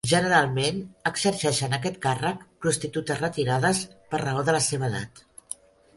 Generalment, exerceixen aquest càrrec prostitutes retirades per raó de la seva edat.